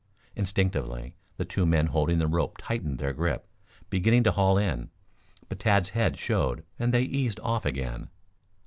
Instinctively the two men holding the rope tightened their grip, beginning to haul in. But Tad's head showed and they eased off again.